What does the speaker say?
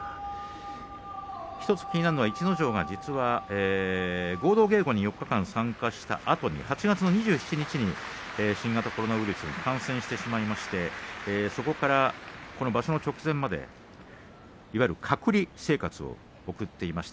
１つ気になるのは逸ノ城が実は合同稽古に参加したあと８月の２７日に新型コロナウイルスに感染してしまいましてそこからは場所直前までいわゆる隔離生活を送っていました。